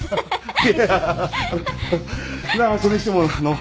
いやそれにしてもあの。